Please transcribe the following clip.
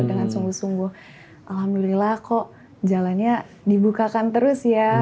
dengan sungguh sungguh alhamdulillah kok jalannya dibukakan terus ya